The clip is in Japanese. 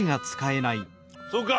そうか。